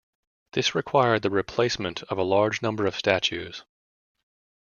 This required the replacement of a large number of statues.